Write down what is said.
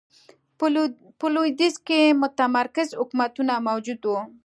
په لوېدیځ کې متمرکز حکومتونه موجود و.